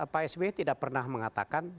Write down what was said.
pak s w tidak pernah mengatakan